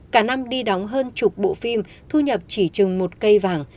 cả năm đi đóng hơn chục bộ phim thu nhập chỉ chừng một cây vàng